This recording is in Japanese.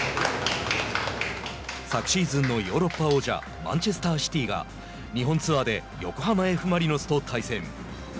昨シーズンのヨーロッパ王者マンチェスターシティーが日本ツアーで横浜Ｆ・マリノスと対戦。